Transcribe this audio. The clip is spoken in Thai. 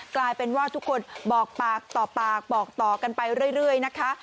กลายเป็นว่าทุกคนบอกปากต่อปากบอกต่อกันไปเรื่อยนะคะ